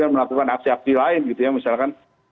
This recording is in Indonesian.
dan melakukan aksi aksi lain gitu ya misalkan